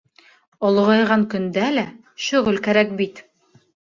Олоғайған көндә лә шөғөл кәрәк бит.